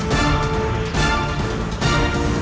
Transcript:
selamat tinggal puteraku